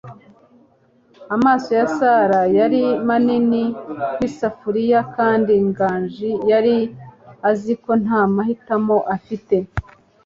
Amaso ya Sara yari manini nk'isafuriya kandi Nganji yari azi ko nta mahitamo afite.